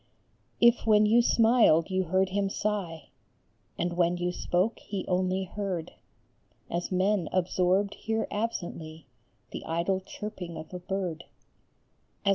If when you smiled you heard him sigh, And when you spoke he only heard As men absorbed hear absently The idle chirping of a bird, BEREA VED.